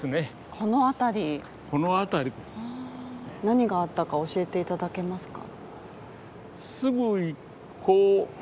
この辺りこの辺りです何があったか教えていただけますか？